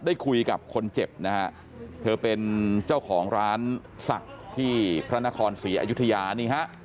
ได้คุยกับคนเจ็บนะฮะเธอเป็นเจ้าของร้านศักดิ์ที่พระนครศรีอยุธยานี่ฮะ